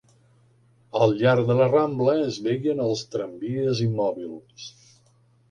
Al llarg de la Rambla es veien els tramvies immòbils